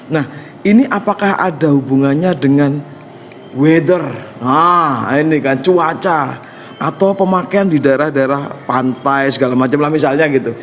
nah ini apakah ada hubungannya dengan weather cuaca atau pemakaian di daerah daerah pantai segala macam lah misalnya gitu